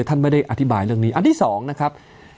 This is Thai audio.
ท่านไม่ได้อธิบายเรื่องนี้อันที่๒นะครับ